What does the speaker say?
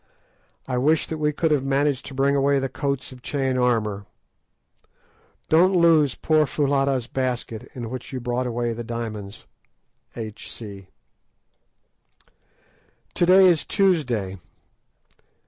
I wish that we could have managed to bring away the coats of chain armour. Don't lose poor Foulata's basket in which you brought away the diamonds. H.C. To day is Tuesday.